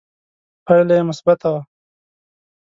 پایله یې مثبته وه